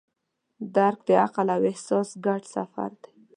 درک د عقل او احساس ګډ سفر دی.